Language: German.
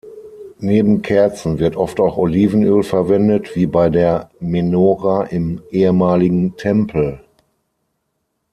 Neben Kerzen wird oft auch Olivenöl verwendet, wie bei der Menora im ehemaligen Tempel.